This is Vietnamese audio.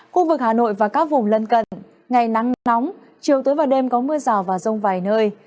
khu vực hà nội và các vùng lân cận ngày nắng nóng chiều tối và đêm có mưa rào và rông vài nơi